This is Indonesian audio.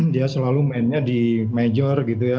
dia selalu mainnya di major gitu ya